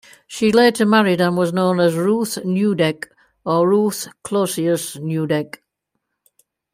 She later married and was known as Ruth Neudeck or Ruth Closius-Neudeck.